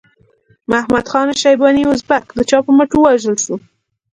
محمد خان شیباني ازبک د چا په مټ ووژل شو؟